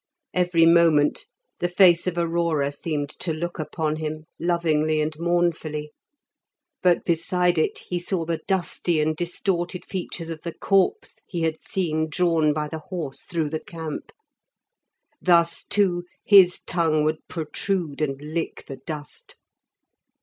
Every moment the face of Aurora seemed to look upon him, lovingly and mournfully; but beside it he saw the dusty and distorted features of the copse he had seen drawn by the horse through the camp. Thus, too, his tongue would protrude and lick the dust.